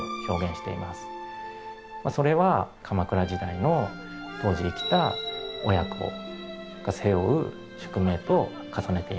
それは鎌倉時代の当時生きた親子が背負う宿命と重ねています。